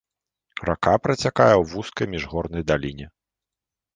Рака працякае ў вузкай міжгорнай даліне.